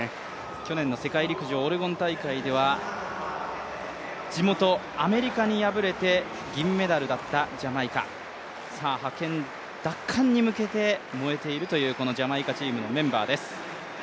去年の世界陸上オレゴン大会では地元アメリカに敗れて銀メダルだったジャマイカ、さあ覇権奪還に向けて燃えているというジャマイカチームのメンバーです。